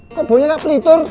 kok baunya kak pelitor